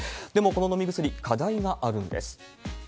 でも、この飲み薬、課題があるんです。